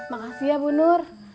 makasih ya bu nur